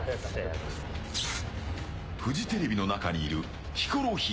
フジテレビの中にいるヒコロヒー。